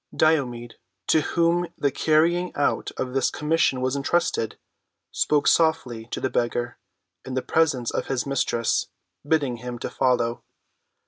Diomed, to whom the carrying out of this commission was entrusted, spoke softly to the beggar in the presence of his mistress, bidding him follow.